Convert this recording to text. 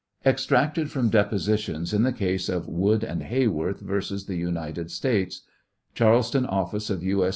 Extracted from Depositions in the case of Wood & Heyworth vs. The United States, Charleston, Office of U. S.